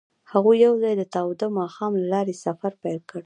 هغوی یوځای د تاوده ماښام له لارې سفر پیل کړ.